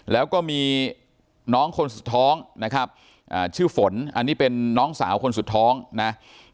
แล้วก็มีน้องคนสุดท้องนะครับชื่อฝนอันนี้เป็นน้องสาวคนสุดท้องนะ